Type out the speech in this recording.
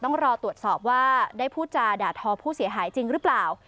ต้องรอตรวจสอบว่าได้พูดจาด่าทอผู้เสียหายจริงหรือเปล่า